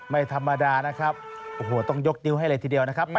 ไม่ธรรมดานะครับโอ้โหต้องยกนิ้วให้เลยทีเดียวนะครับ